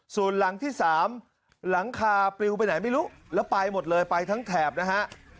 ส่วนหลังที่สามหลังคาปลิวไปไหนไม่รู้แล้วไปหมดเลยไปทั้งแถบนะฮะ